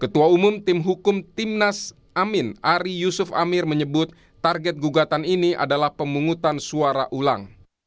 ketua umum tim hukum timnas amin ari yusuf amir menyebut target gugatan ini adalah pemungutan suara ulang